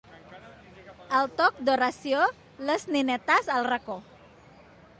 Al toc d'oració, les ninetes al racó.